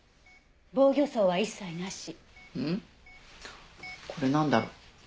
これなんだろう？